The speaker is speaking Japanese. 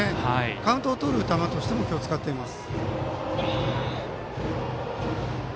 カウントをとる球として今日は使っています。